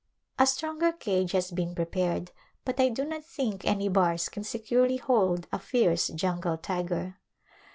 A stronger cage has been prepared, but I do not think any bars can securely hold a fierce jungle tiger.